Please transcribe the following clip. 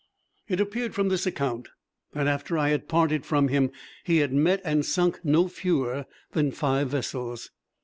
It appeared from this account that after I had parted from him he had met and sunk no fewer than five vessels.